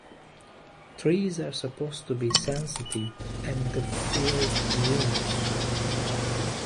Trees are supposed to be sensitive and to feel wounds.